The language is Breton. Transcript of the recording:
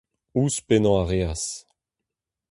Ouzhpennañ a reas.